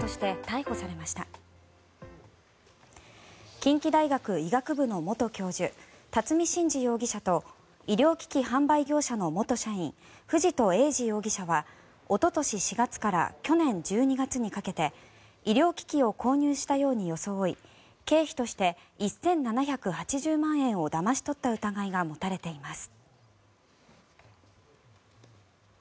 近畿大学医学部の元教授巽信二容疑者と医療機器販売業者の元社員藤戸栄司容疑者はおととし４月から去年１２月にかけて医療機器を購入したように装い経費として１７８０万円をだまし取った疑いが持たれています。